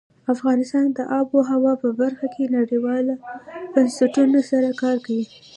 افغانستان د آب وهوا په برخه کې نړیوالو بنسټونو سره کار کوي.